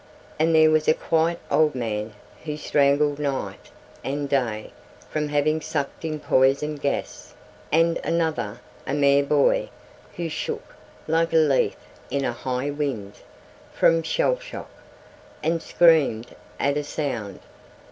And there was a quite old man who strangled night and day from having sucked in poison gas; and another, a mere boy, who shook, like a leaf in a high wind, from shell shock, and screamed at a sound.